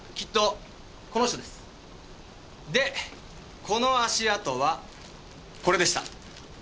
でこの足跡はこれでした。